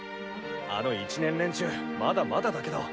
あの１年連中まだまだだけど。